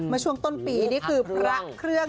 ช่วงต้นปีนี่คือพระเครื่อง